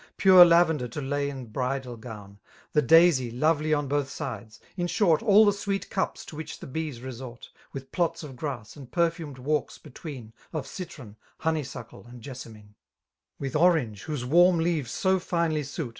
Pure lavender, to lay in bridal gown. The daisy, lovely on both sides,— in short. All the sweet cups to which the bees xesort. With plots.of grass, and perfumed walks between Of citron, honeynidde and jessamine. With orange, whose warm leaves so finely suit.